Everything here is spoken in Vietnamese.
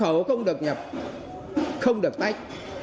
hộ khẩu không được nhập không được tách